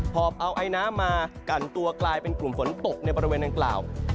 อบเอาไอน้ำมากันตัวกลายเป็นกลุ่มฝนตกในบริเวณดังกล่าว